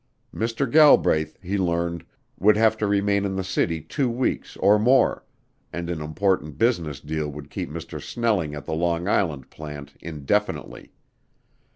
Mr. Galbraith, he learned, would have to remain in the city two weeks or more; and an important business deal would keep Mr. Snelling at the Long Island plant indefinitely.